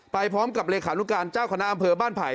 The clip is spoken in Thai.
ไปพร้อมกับเลขานุการเจ้าคณะอำเภอบ้านไผ่